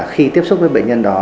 khi tiếp xúc với bệnh nhân đó